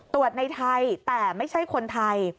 ในไทยแต่ไม่ใช่คนไทย